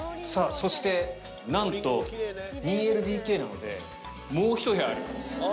そしてなんと２ＬＤＫなのでもうひと部屋あります。